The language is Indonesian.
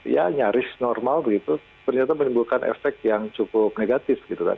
ya nyaris normal begitu ternyata menimbulkan efek yang cukup negatif gitu kan